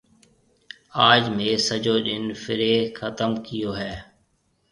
آج مهيَ سجو ڏن ڦرِيَ ختم ڪئيو هيَ۔